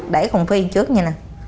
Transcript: để còn phi trước nha